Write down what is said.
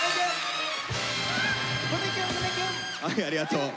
はいありがとう。